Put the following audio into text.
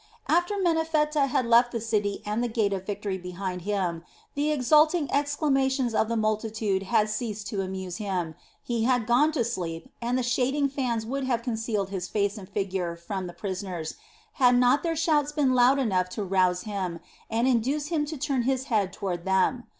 After Menephtah had left the city and the gate of victory behind him, and the exulting acclamations of the multitude had ceased to amuse him, he had gone to sleep and the shading fans would have concealed his face and figure from the prisoners, had not their shouts been loud enough to rouse him and induce him to turn his head toward them.